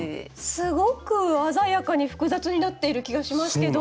すごく鮮やかに複雑になっている気がしますけど。